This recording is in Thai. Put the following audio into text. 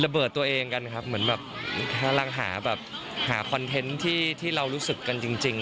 เปิดตัวเองเหมือนแบบห่างหาคอนเทนต์ที่เรารู้สึกกันจริง